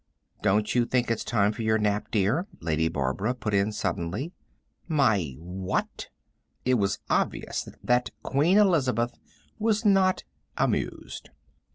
"Don't you think it's time for your nap, dear?" Lady Barbara put in suddenly. "My what?" It was obvious that Queen Elizabeth was Not Amused.